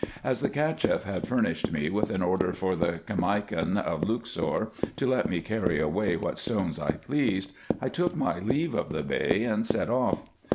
As the Cacheff had furnished me with an order for the Caimakan of Luxor to let me carry away what stones I pleased, I took my leave of the Bey and set off.